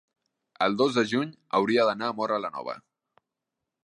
el dos de juny hauria d'anar a Móra la Nova.